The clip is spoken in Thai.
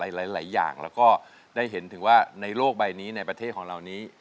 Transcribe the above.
อะไรหลายอย่างแล้วก็ในโลกใบนี้ในประเทศของเรานี้